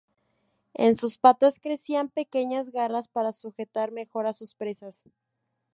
En sus patas crecían pequeñas garras para sujetar mejor a sus presas.